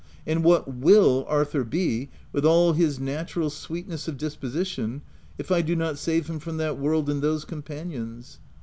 and what will Arthur be, with all his natural sweetness of disposition, if I do not save him from that world and those companions